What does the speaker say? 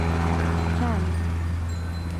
Ca nu.